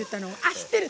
知ってる！